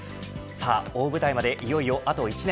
大舞台までいよいよあと１年。